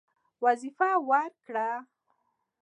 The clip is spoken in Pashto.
وظیفه ورکړه.